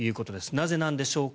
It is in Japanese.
なぜなんでしょうか。